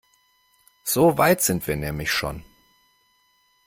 So weit sind wir nämlich schon.